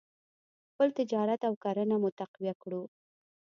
خپل تجارت او کرنه مو تقویه کړو.